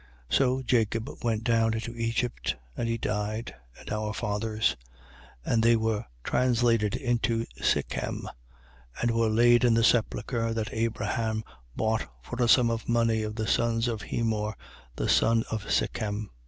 7:15. So Jacob went down into Egypt. And he died, and our fathers. 7:16. And they were translated into Sichem and were laid in the sepulchre that Abraham bought for a sum of money of the sons of Hemor, the son of Sichem.